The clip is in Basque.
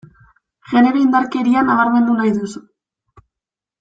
Genero indarkeria nabarmendu nahi duzu.